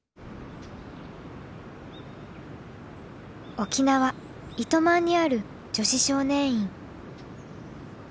沖縄糸満にある女子少年院。